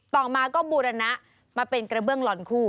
ต่อมาก็บูรณะมาเป็นกระเบื้องลอนคู่